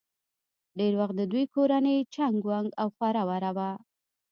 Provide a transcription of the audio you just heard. ډېر وخت د دوي کورنۍ چنګ ونګ او خوره وره وه